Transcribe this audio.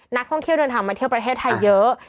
นักท่องเที่ยวเดินทางมาเที่ยวประเทศไทยเยอะ